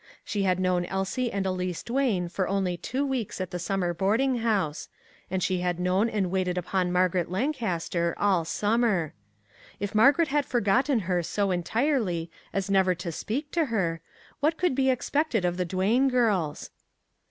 She had known Elise and Elsie Duane for only two weeks at the summer boarding house, and she had known and waited upon Margaret Lancaster all sum mer. If Margaret had forgotten her so en tirely as never to speak to her, what could be expected of the Duane girls?